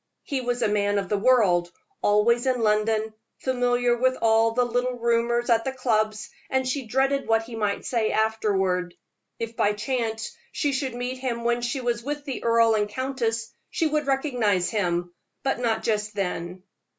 He was a man of the world, always in London, familiar with all the little rumors at the clubs, and she dreaded what he might say afterward. If by chance she should meet him when she was with the earl and countess, she would recognize him, but not just then.